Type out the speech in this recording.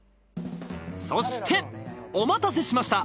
そしてお待たせしました